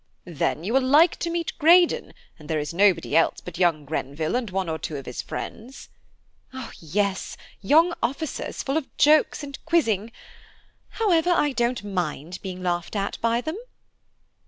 "Then you will like to meet Greydon; and there is nobody else but young Grenville and one or two of his friends." "Yes, young officers, full of jokes and quizzing. However, I don't mind being laughed at by them."